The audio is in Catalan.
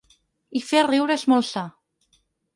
I fer riure és molt sa.